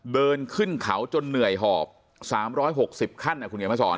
เดินขึ้นเขาจนเหนื่อยหอบสามร้อยหกสิบขั้นอ่ะคุณเงียนมาสอน